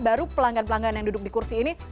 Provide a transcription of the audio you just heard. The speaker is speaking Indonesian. baru pelanggan pelanggan yang duduk di kursi ini